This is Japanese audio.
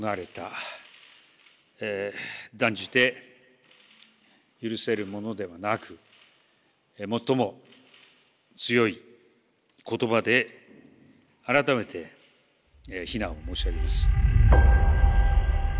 断じて許せるものではなく最も強い言葉で改めて非難を申し上げます。